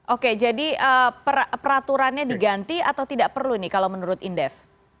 oke jadi peraturannya diganti atau tidak perlu nih kalau menurut indef